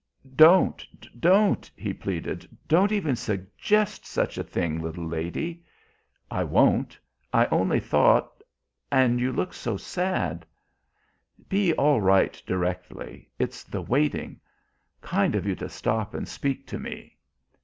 "Don't don't!" he pleaded. "Don't even suggest such a thing, little lady." "I won't. I only thought and you looked so sad." "Be all right directly. It's the waiting. Kind of you to stop and speak to me."